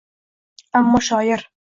Ammo shoir